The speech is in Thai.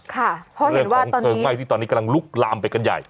ค่ะเพราะเห็นว่าตอนนี้เรื่องของเกลืองไหม้ที่ตอนนี้กำลังลุกลามไปกันใหญ่